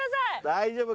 大丈夫か？